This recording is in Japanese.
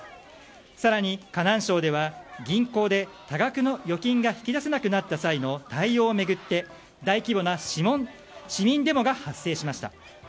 更に河南省では銀行で多額の預金が引き出せなくなった際の対応を巡って大規模な市民デモが発生しました。